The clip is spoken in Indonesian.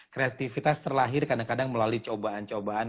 kreativitas terlahir kadang kadang melalui cobaan cobaan